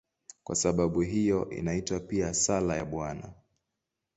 Kwa sababu hiyo inaitwa pia "Sala ya Bwana".